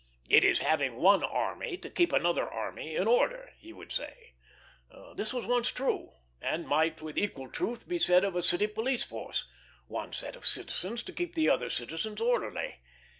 "It is having one army to keep another army in order," he would say. This was once true, and might with equal truth be said of a city police force one set of citizens to keep the other citizens orderly.